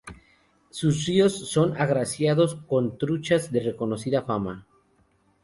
Sus ríos son agraciados con truchas de reconocida fama.